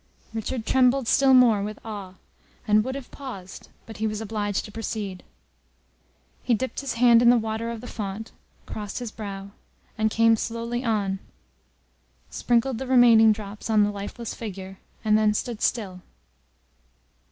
Richard trembled still more with awe, and would have paused, but he was obliged to proceed. He dipped his hand in the water of the font, crossed his brow, and came slowly on, sprinkled the remaining drops on the lifeless figure, and then stood still.